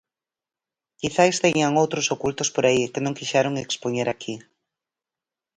Quizais teñan outros ocultos por aí que non quixeron expoñer aquí.